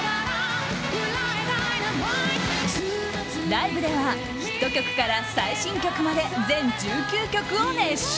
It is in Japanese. ライブではヒット曲から最新曲まで全１９曲を熱唱。